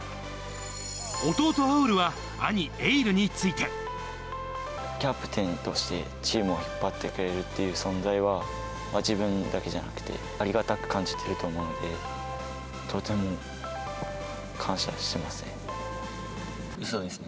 弟、侑潤は兄、キャプテンとしてチームを引っ張ってくれるっていう存在は、自分だけじゃなくて、ありがたく感じてると思うので、とても感謝してますね。